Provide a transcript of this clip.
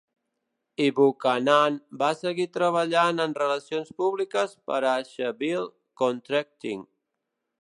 I Buchanan va seguir treballant en relacions públiques per Asheville Contracting.